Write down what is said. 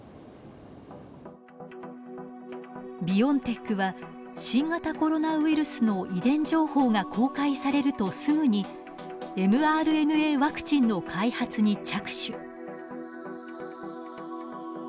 ビオンテックは新型コロナウイルスの遺伝情報が公開されるとすぐにｍＲＮＡワクチンの開発に着手。